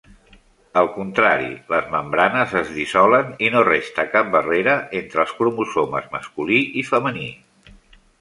Al contrari, les membranes es dissolen i no resta cap barrera entre els cromosomes masculí i femení.